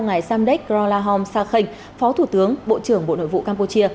ngài samdech grolahom sakhan phó thủ tướng bộ trưởng bộ nội vụ campuchia